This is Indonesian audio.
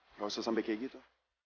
tidak usah sampai seperti itu